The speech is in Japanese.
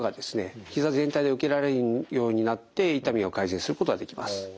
ひざ全体で受けられるようになって痛みを改善することができます。